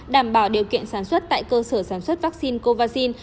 đảm bảo điều kiện sản xuất tại cơ sở sản xuất vaccine covid